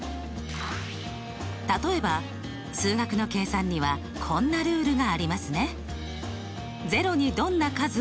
例えば数学の計算にはこんなルールがありますね。